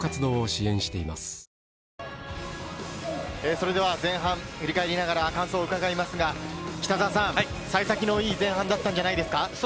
それでは前半を振り返りながら感想を伺いますが、幸先のいい前半だったんじゃないですか。